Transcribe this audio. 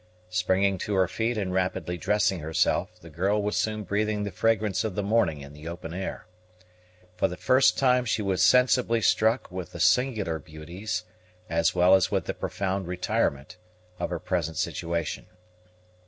Springing to her feet and rapidly dressing herself, the girl was soon breathing the fragrance of the morning in the open air. For the first time she was sensibly struck with the singular beauties, as well as with the profound retirement, of her present situation.